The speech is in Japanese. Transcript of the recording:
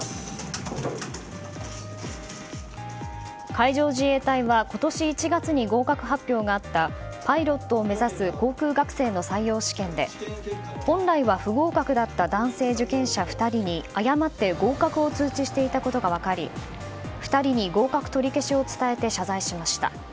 海上自衛隊は、今年１月に合格発表があったパイロットを目指す航空学生の採用試験で本来は不合格だった男性受験者２人に誤って合格を通知していたことが分かり２人に合格取り消しを伝えて謝罪しました。